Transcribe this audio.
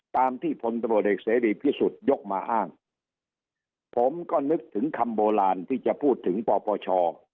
ตามที่พลตำรวจเอกเสรีพิสุทธิ์ยกมาอ้างผมก็นึกถึงคำโบราณที่จะพูดถึงปปช